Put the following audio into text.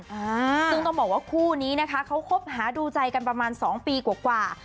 ซึ่งต้องบอกว่าคู่นี้เค้าคบหาดูใจกันประมาณ๒ปีกว่า